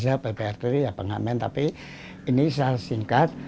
saya pprt ya pengamen tapi ini saya singkat